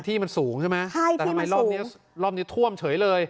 ที่มันสูงใช่ไหมแต่ทำไมรอบนี้ท่วมเฉยเลย